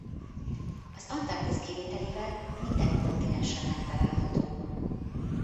Az Antarktisz kivételével minden kontinensen megtalálhatók.